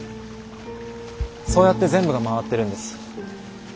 そうやって全部が回ってるんです。